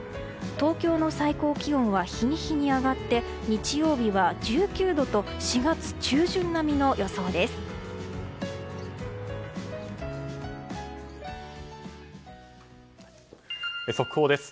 東京の最高気温は日に日に上がって日曜日は１９度と速報です。